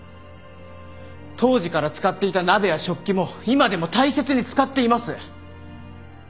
当時から使っていた鍋や食器も今でも大切に使っています。